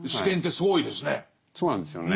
そうなんですよね。